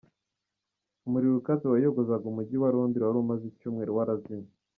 Umuriro ukaze wayogozaga umujyi wa londres wari umaze icyumweru warazimye.